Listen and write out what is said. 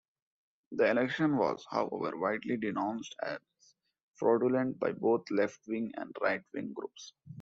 The election was, however, widely denounced as fraudulent by both left-wing and right-wing groups.